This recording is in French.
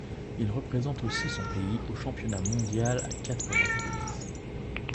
Il représente aussi son pays au championnat mondial à quatre reprises.